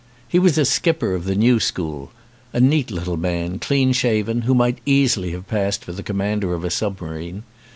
He was a skipper of the new school, a neat little man, clean shaven, who might easily have passed for the commander of a sub marine.